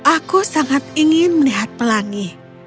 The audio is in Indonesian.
aku sangat ingin melihat pelangi